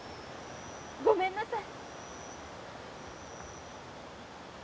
ごめんなさい。